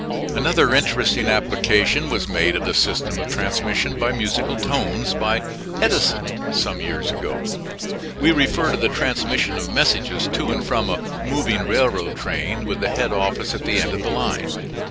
Another interesting application was made of the system of transmission by musical tones by Edison, some years ago. We refer to the transmission of messages to and from a moving railroad train with the head office at the end of the line.